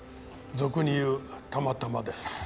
俗に言うたまたまです。